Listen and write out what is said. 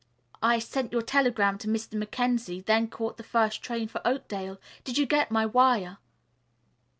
I sent your telegram to Mr. Mackenzie, then caught the first train for Oakdale. Did you get my wire?"